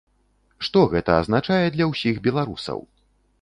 Што гэта азначае для ўсіх беларусаў?